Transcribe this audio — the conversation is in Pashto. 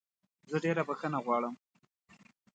زه ډېره بخښنه غواړم